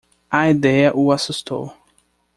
A ideia o assustou.